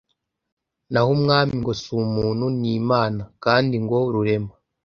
naho umwami ngo si umuntu ni imana, kandi ngo rurema